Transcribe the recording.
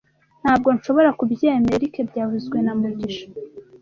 Ntabwo nshobora kubyemera, Eric byavuzwe na mugisha